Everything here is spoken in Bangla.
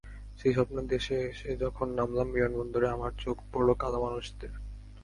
সেই স্বপ্নের দেশে এসে যখন নামলাম, বিমানবন্দরে আমার চোখে পড়ল কালো মানুষদের।